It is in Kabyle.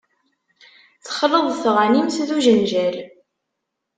Texleḍ tɣanimt d ujenjal.